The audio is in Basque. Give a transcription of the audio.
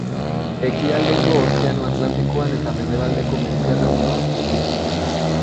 Ekialdeko Ozeano Atlantikoan eta mendebaldeko Mediterraneoan bizi da.